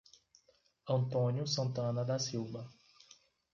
Antônio Santana da Silva